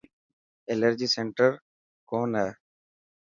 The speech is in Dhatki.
ايلرجي سينٽر ڪون هي.